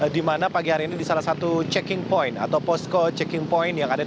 di mana pagi hari ini di salah satu checking point atau posko checking point yang ada di